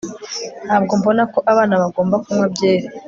ntabwo mbona ko abana bagomba kunywa byeri